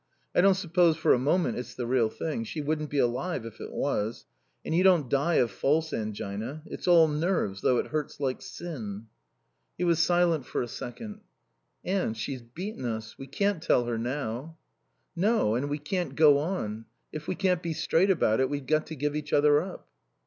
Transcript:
I don't suppose for a moment it's the real thing. She wouldn't be alive if it was. And you don't die of false angina. It's all nerves, though it hurts like sin." He was silent for a second. "Anne she's beaten us. We can't tell her now." "No. And we can't go on. If we can't be straight about it we've got to give each other up."